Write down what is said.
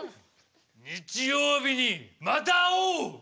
日曜日にまた会おう！